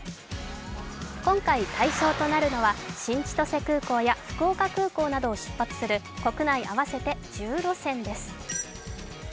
今回、対象となるのは新千歳空港や福岡空港などを出発する国内合わせて１０路線です。